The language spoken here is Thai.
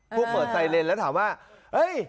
พวกเปิดไซเรนแล้วถามว่าเอ้ย